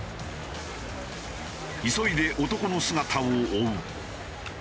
急いで男の姿を追う。